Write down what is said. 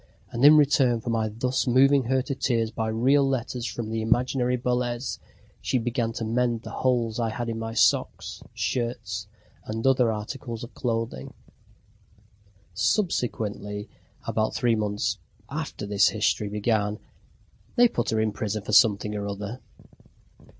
And in return for my thus moving her to tears by real letters from the imaginary Boles, she began to mend the holes I had in my socks, shirts, and other articles of clothing. Subsequently, about three months after this history began, they put her in prison for something or other.